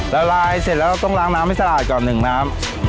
ละลายเสร็จแล้วต้องล้างน้ำให้สลายก่อนหนึ่งนะครับ